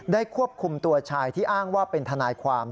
ควบคุมตัวชายที่อ้างว่าเป็นทนายความ